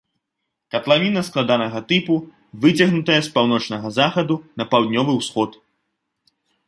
Катлавіна складанага тыпу, выцягнутая з паўночнага захаду на паўднёвы ўсход.